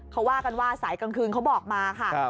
เขาว่ากันว่าสายกลางคืนเขาบอกมาค่ะ